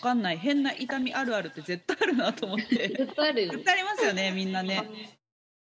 絶対ありますよねみんなね。